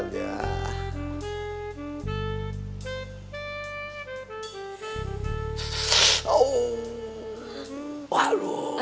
iya pelan pelan ya